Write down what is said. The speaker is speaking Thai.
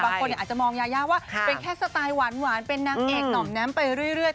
บางคนอาจจะมองยายาว่าเป็นแค่สไตล์หวานเป็นนางเอกหน่อมแ้มไปเรื่อย